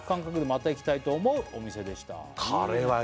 「また行きたいと思うお店でした」